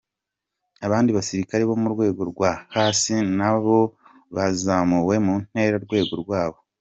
Abandi basirikare bo mu rwego rwo hasi nabo bazamuwe mu ntera ku rwego rwabo.